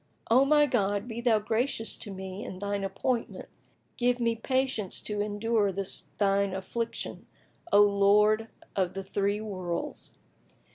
O my God, be Thou gracious to me in Thine appointment and give me patience to endure this Thine affliction, O Lord of the three Worlds!"